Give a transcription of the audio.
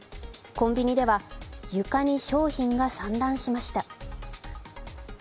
コンビニでは床に商品が散乱しました。